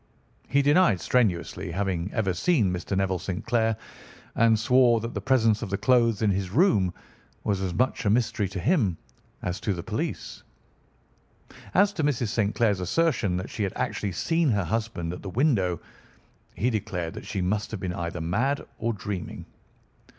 He denied strenuously having ever seen Mr. Neville St. Clair and swore that the presence of the clothes in his room was as much a mystery to him as to the police. As to Mrs. St. Clair's assertion that she had actually seen her husband at the window, he declared that she must have been either mad or dreaming.